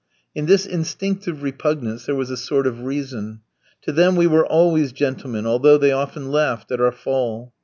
In this instinctive repugnance there was a sort of reason. To them we were always gentlemen, although they often laughed at our fall.